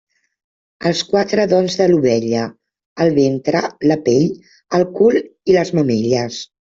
Els quatre dons de l'ovella: el ventre, la pell, el cul i les mamelles.